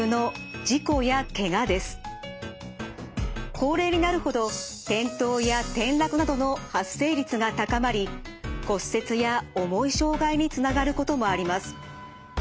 高齢になるほど転倒や転落などの発生率が高まり骨折や重い障害につながることもあります。